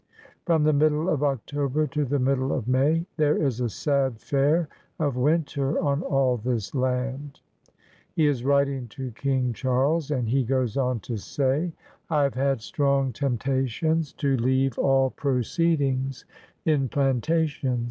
" Prom the middle of October to the middle of May there is a sad fare of winter on all this land/' He is writing to King Charles, and he goes on to say: '^I have had strong temptations to leave all pro ceedings in plantations